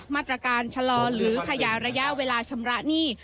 มาตรการชะลอหรือขยายระยะเวลาชำระหนี้